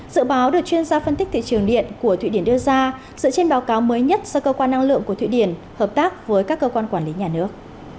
dự báo được chuyên gia phân tích thị trường điện của thụy điển đưa ra dựa trên báo cáo mới nhất do cơ quan năng lượng của thụy điển hợp tác với các cơ quan quản lý nhà nước